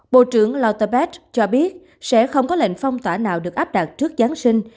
bộ trưởng louterbeth cho biết sẽ không có lệnh phong tỏa nào được áp đặt trước giáng sinh